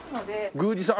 宮司さん？